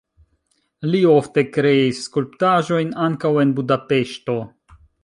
Li ofte kreis skulptaĵojn ankaŭ en Budapeŝto.